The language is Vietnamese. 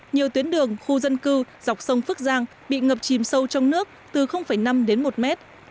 nhiều tuyến đường khu dân cư dọc sông phước giang bị ngập chìm sâu trong nước từ năm đến một mét